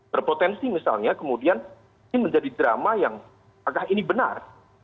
berpotensi misalnya kemudian ini menjadi drama yang apakah ini benar